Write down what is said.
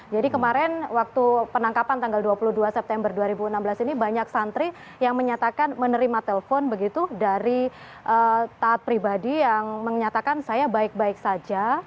jadi kemarin waktu penangkapan tanggal dua puluh dua september dua ribu enam belas ini banyak santri yang menyatakan menerima telpon begitu dari tat pribadi yang menyatakan saya baik baik saja